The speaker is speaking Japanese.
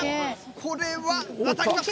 これは当たりました。